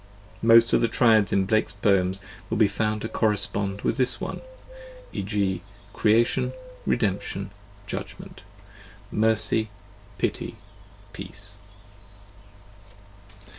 Most of the triads in Blake's poems will be found to correspond with this one: e.g., Creation, Redemption, Judgment: Mercy, Pity, Peace.